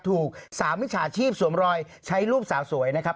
ถูก๓มิจฉาชีพสวมรอยใช้รูปสาวสวยนะครับ